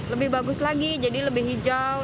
lebih bagus lagi jadi lebih hijau